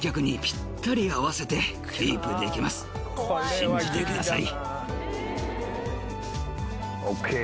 信じてください。